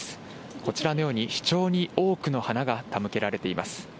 こちらのように、非常に多くの花が手向けられています。